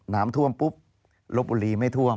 น้ำท่วมปุ๊บลบบุรีไม่ท่วม